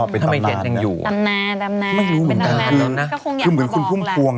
ประมาณแบบนั้น